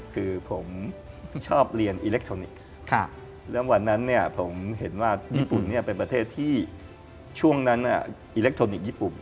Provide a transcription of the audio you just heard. คือผมชอบเรียนอิเล็กทรอนิกส์แล้ววันนั้นเนี่ยผมเห็นว่าญี่ปุ่นเนี่ยเป็นประเทศที่ช่วงนั้นอิเล็กทรอนิกส์ญี่ปุ่น